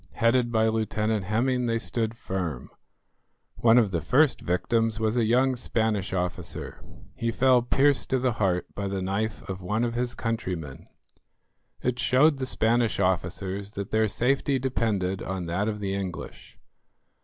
Headed by Lieutenant Hemming they stood firm. One of the first victims was a young Spanish officer. He fell pierced to the heart by the knife of one of his countrymen. It showed the Spanish officers that their safety depended on that of the English.